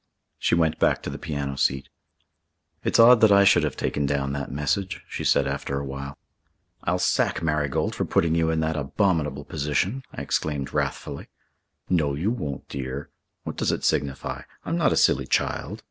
She went back to the piano seat. "It's odd that I should have taken down that message," she said, after a while. "I'll sack Marigold for putting you in that abominable position," I exclaimed wrathfully. "No, you won't, dear. What does it signify? I'm not a silly child.